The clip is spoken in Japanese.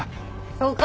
そうか！